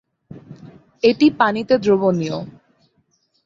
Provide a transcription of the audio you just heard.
এটি পানিতে দ্রবণীয়।